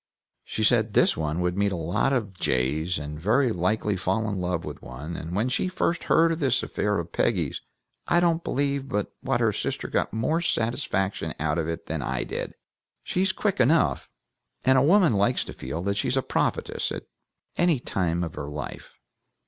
She said this one would meet a lot of jays, and very likely fall in love with one; and when we first heard of this affair of Peggy's I don't believe but what her sister got more satisfaction out of it than I did. She's quick enough! And a woman likes to feel that she's a prophetess at any time of her life.